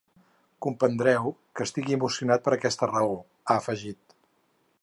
Comprendreu que estigui emocionat per aquesta raó, ha afegit.